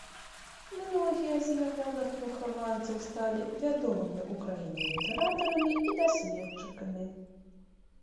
Многія з ягоных выхаванцаў сталі вядомымі ў краіне літаратарамі і даследчыкамі.